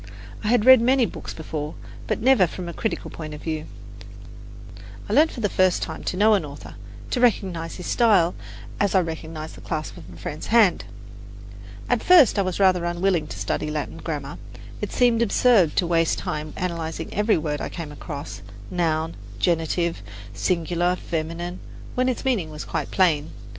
I had read many books before, but never from a critical point of view. I learned for the first time to know an author, to recognize his style as I recognize the clasp of a friend's hand. At first I was rather unwilling to study Latin grammar. It seemed absurd to waste time analyzing, every word I came across noun, genitive, singular, feminine when its meaning was quite plain.